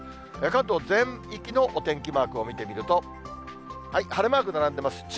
関東全域のお天気マークを見てみると、晴れマーク並んでます。